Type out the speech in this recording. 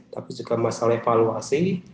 tapi juga masalah evaluasi